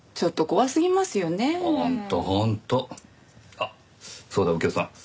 あっそうだ右京さん